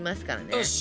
よし！